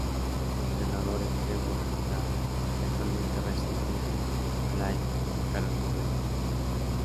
Su entrenador es Trevor Graham, y actualmente reside en Raleigh, Carolina del Norte.